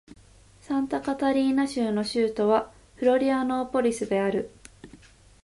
サンタカタリーナ州の州都はフロリアノーポリスである